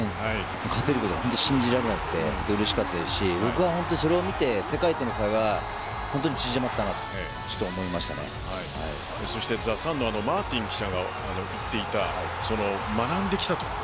勝てることが信じられなくてうれしかったですしそれを見て世界との差が縮まったなとザ・サンのマーティン記者が言っていた、学んできたと。